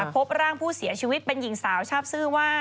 พบร่างผู้เสียชีวิตเป็นหญิงสาวทราบชื่อว่า